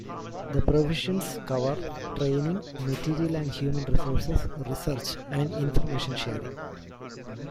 The provisions cover training, material and human resources, research, and information sharing.